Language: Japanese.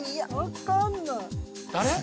誰？